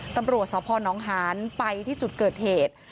ตำรวจสพนหานไปที่จุดเกิดเหตุ